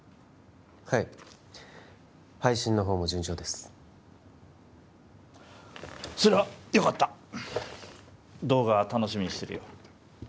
はい配信のほうも順調ですそれはよかった動画楽しみにしてるよ